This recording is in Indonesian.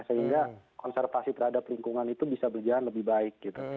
sehingga konservasi terhadap lingkungan itu bisa berjalan lebih baik gitu